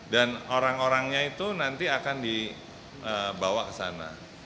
dan orang orangnya itu nanti akan dibawa ke sana